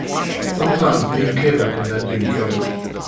Sometimes being clever can land you in trouble.